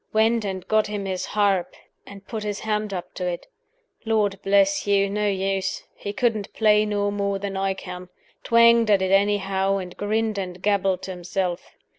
Went and got him his harp, and put his hand up to it. Lord bless you! no use. He couldn't play no more than I can. Twanged at it anyhow, and grinned and gabbled to himself.